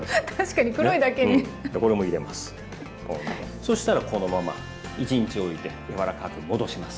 そしたらこのまま一日おいて柔らかく戻します。